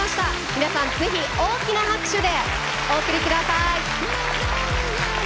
皆さんぜひ大きな拍手でお送り下さい。